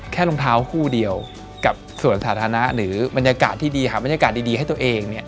รองเท้าคู่เดียวกับส่วนสาธารณะหรือบรรยากาศที่ดีหาบรรยากาศดีให้ตัวเองเนี่ย